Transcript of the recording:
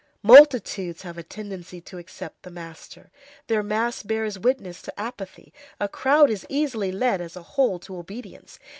Multitudes have a tendency to accept the master. Their mass bears witness to apathy. A crowd is easily led as a whole to obedience.